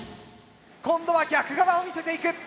今度は逆側を見せていく。